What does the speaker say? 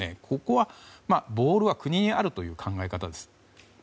ここはボールは国にあるという考え方です。